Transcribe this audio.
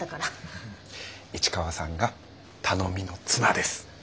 市川さんが頼みの綱です。